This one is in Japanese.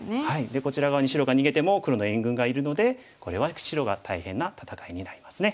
でこちら側に白が逃げても黒の援軍がいるのでこれは白が大変な戦いになりますね。